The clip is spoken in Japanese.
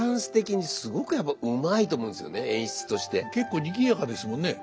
結構にぎやかですもんね。